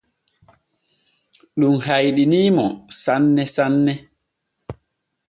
Ɗum hayɗinii mo sanne hanne.